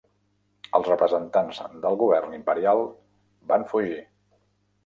Els representants del govern imperial van fugir.